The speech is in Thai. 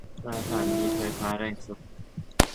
สถานีไฟฟ้าแรงสูง